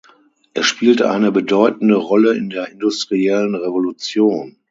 Er spielte eine bedeutende Rolle in der industriellen Revolution.